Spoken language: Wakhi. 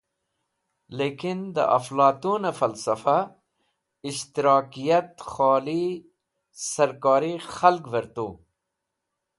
Laikin de Aflatoone Falsafa Ishtimaliyat Kholi Sarkori Khalgver tu.